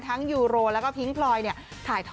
ยูโรแล้วก็พิ้งพลอยเนี่ย